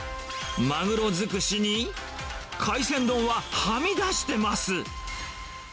マグロずくしに、海鮮丼ははみ出してます。